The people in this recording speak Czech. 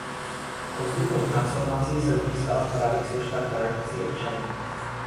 Postupnou transformací se z nich stala právě složka chránící občany.